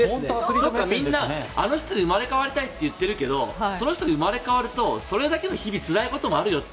そうか、みんなあの人に生まれ変わりたいっていうけどその人に生まれ変わるとそれだけ日々、つらいことがあると。